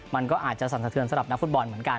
มันก็อาจจะสั่นสะเทือนสำหรับนักฟุตบอลเหมือนกัน